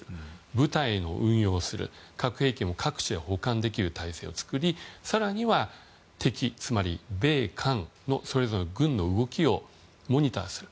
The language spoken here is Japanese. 部隊を運用する核兵器を保管できる体制を作り更には敵、つまり米韓のそれぞれの軍の動きをモニターする。